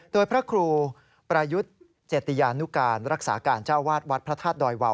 โดยพระครูประยุทธ์เจติยานุการรักษาการเจ้าวาดวัดพระธาตุดอยวาว